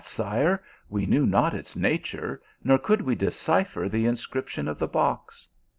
sire, we knew not its nature, nor could we decipher the inscription of the box.